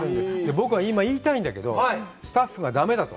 僕は今言いたいんだけど、スタッフが、だめだと。